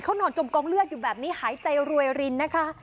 นอนจมกองเลือดอยู่แบบนี้หายใจรวยรินนะคะ